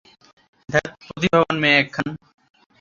ধ্যাৎ, প্রতিভাবান মেয়ে একখান।